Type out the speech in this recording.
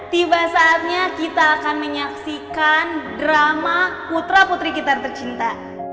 tiba saatnya kita akan menyaksikan drama putra putri kita tercinta